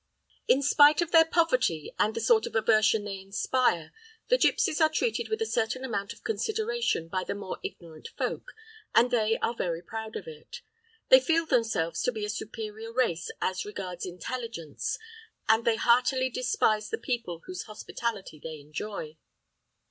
In spite of their poverty and the sort of aversion they inspire, the gipsies are treated with a certain amount of consideration by the more ignorant folk, and they are very proud of it. They feel themselves to be a superior race as regards intelligence, and they heartily despise the people whose hospitality they enjoy.